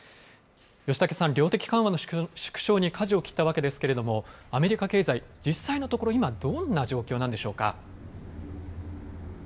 吉武さん、量的緩和の縮小にかじを切ったわけですけれども、アメリカ経済、実際のところ、今、どんな状況なんでしょうか。